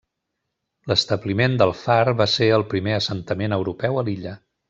L’establiment del far va ser el primer assentament europeu a l’illa.